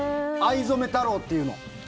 藍染め太郎っていうの。